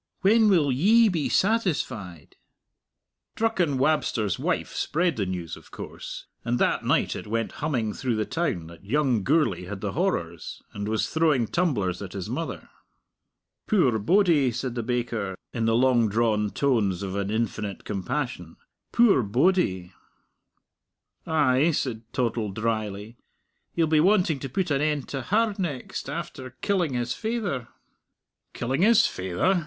When will Ye be satisfied?" Drucken Wabster's wife spread the news, of course, and that night it went humming through the town that young Gourlay had the horrors, and was throwing tumblers at his mother! "Puir body!" said the baker, in the long drawn tones of an infinite compassion "puir body!" "Ay," said Toddle dryly, "he'll be wanting to put an end to her next, after killing his faither." "Killing his faither?"